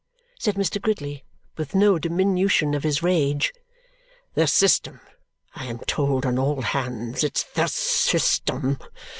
said Mr. Gridley with no diminution of his rage. "The system! I am told on all hands, it's the system.